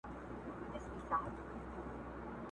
علم وویل زما ډیر دي آدرسونه؛